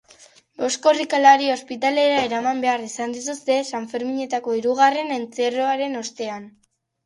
Bost korrikalari ospitalera eraman behar izan dituzte sanferminetako hirugarren entzierroaren ostean.